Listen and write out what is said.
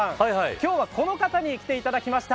今日はこの方に来ていただきました。